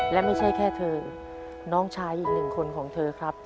และไม่ใช่แค่เธอน้องชายอีกหนึ่งคนของเธอครับ